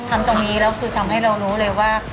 ทำตรงนี้แล้วคือทำให้เรารู้เลยว่า